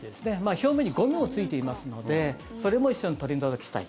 表面にゴミもついていますのでそれも一緒に取り除きたい。